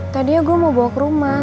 tadinya gue mau bawa ke rumah